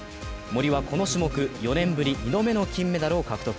森はこの種目４年ぶり２度目の金メダルを獲得。